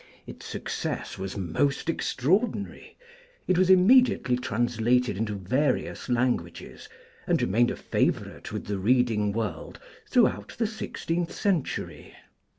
Its success was most extraordinary; it was immediately translated into various languages, and remained a favorite with the reading world throughout the sixteenth century.